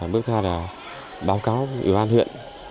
bước hai là báo cáo ủy ban huyện